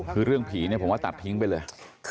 คือเรื่องผีเนี่ยผมว่าตัดทิ้งไปเลย